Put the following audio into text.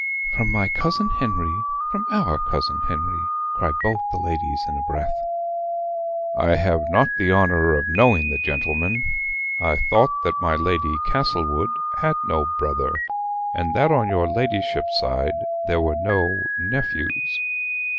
"From my cousin Henry from our cousin Henry" cry both the ladies in a breath. "I have not the honor of knowing the gentleman. I thought that my Lord Castlewood had no brother: and that on your ladyship's side there were no nephews."